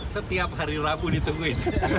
setiap hari rabu ditungguin